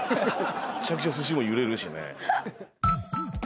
むちゃくちゃ寿司も揺れるしね。